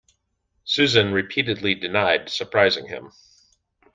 Susan repeatedly denied surprising him.